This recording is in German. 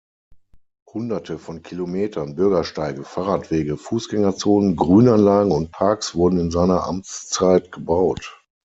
Hunderte von Kilometern Bürgersteige, Fahrradwege, Fußgängerzonen, Grünanlagen und Parks wurden in seiner Amtszeit gebaut.